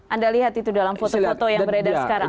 anda lihat itu dalam foto foto yang beredar sekarang